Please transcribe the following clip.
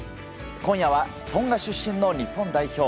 今夜はトンガ出身の日本代表